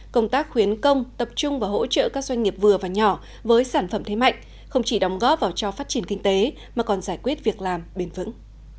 công tác khuyến công tập trung và hỗ trợ các doanh nghiệp vừa và nhỏ với sản phẩm thế mạnh không chỉ đóng góp vào cho phát triển kinh tế mà còn giải quyết việc làm bền vững